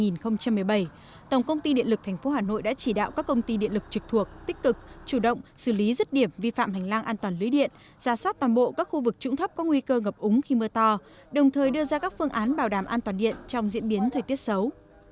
năm hai nghìn một mươi bảy tổng công ty điện lực tp hà nội đã chỉ đạo các công ty điện lực trực thuộc tích cực chủ động xử lý rứt điểm vi phạm hành lang an toàn lưới điện giả soát toàn bộ các khu vực trũng thấp có nguy cơ ngập úng khi mưa to đồng thời đưa ra các phương án bảo đảm an toàn điện trong diễn biến thời tiết xấu